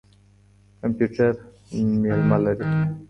کمپيوټر مېلمه لري.